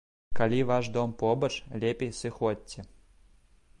Калі ваш дом побач, лепей сыходзьце.